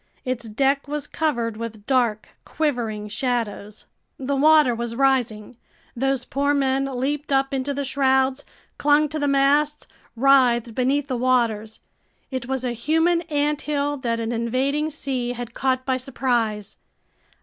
Its deck was covered with dark, quivering shadows. The water was rising. Those poor men leaped up into the shrouds, clung to the masts, writhed beneath the waters. It was a human anthill that an invading sea had caught by surprise!